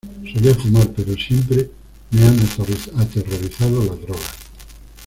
Solía fumar pero siempre me han aterrorizado las drogas.